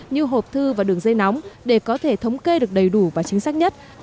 như hộp thư và đường dây nóng để có thể thống kê được đầy đủ và chính xác nhất